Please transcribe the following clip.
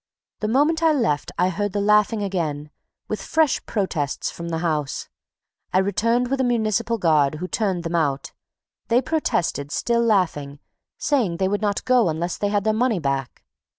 The moment I left, I heard the laughing again, with fresh protests from the house. I returned with a municipal guard, who turned them out. They protested, still laughing, saying they would not go unless they had their money back.